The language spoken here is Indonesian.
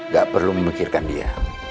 gak perlu memikirkan dia